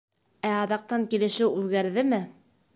Ә аҙаҡтан килешеү үҙгәрҙеме?